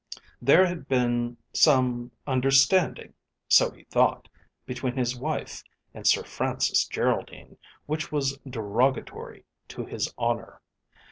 There had been some understanding, so he thought, between his wife and Sir Francis Geraldine which was derogatory to his honour.